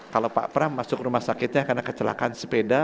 kalau pak pram masuk rumah sakitnya karena kecelakaan sepeda